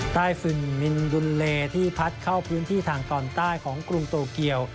ฟึนมินดุลเลที่พัดเข้าพื้นที่ทางตอนใต้ของกรุงโตเกียว